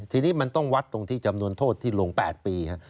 ทีนี้มันต้องวัดตรงที่จำนวนโทษที่ลง๘ปี